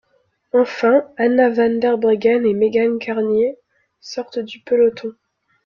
Enfin, Anna van der Breggen et Megan Guarnier sortent du peloton.